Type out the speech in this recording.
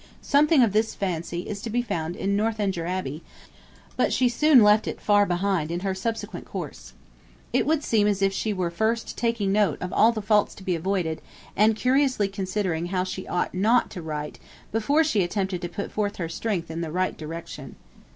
Something of this fancy is to be found in 'Northanger Abbey,' but she soon left it far behind in her subsequent course. It would seem as if she were first taking note of all the faults to be avoided, and curiously considering how she ought not to write before she attempted to put forth her strength in the right direction.